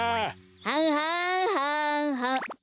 はんはんはんはん。